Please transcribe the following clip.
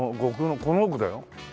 この奥だよ。